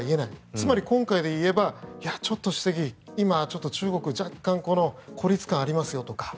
つまり、今回でいえばちょっと主席、今中国、若干孤立感ありますよとか。